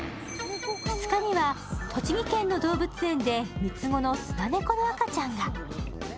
２日には、栃木県の動物園で３つ子のスナネコの赤ちゃんが。